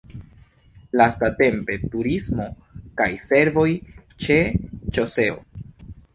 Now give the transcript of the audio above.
Lastatempe turismo kaj servoj ĉe ŝoseo.